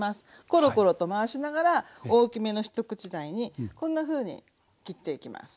コロコロと回しながら大きめの一口大にこんなふうに切っていきます。